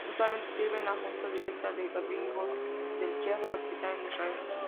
Actualmente sirve en la Junta Directiva de Amigos del Sheba Hospital en Israel.